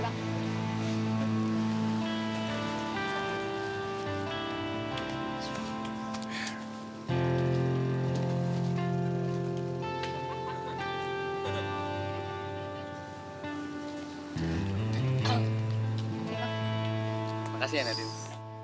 makasih ya nadine